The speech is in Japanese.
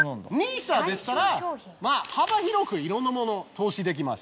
ＮＩＳＡでしたらまぁ幅広くいろんなもの投資できます。